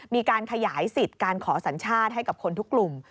มีการขยายสิทธิ์การขอสัญชาติให้กับคนทุกกลุ่ม